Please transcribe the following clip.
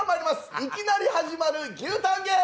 いきなり始まる牛タンゲーム。